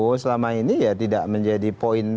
pak prabowo selama ini ya tidak menjadi hal yang baik